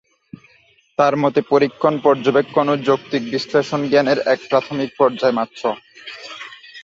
তার মতে, পরীক্ষণ, পর্যবেক্ষণ ও যৌক্তিক বিশ্লেষণ জ্ঞানের এক প্রাথমিক পর্যায় মাত্র।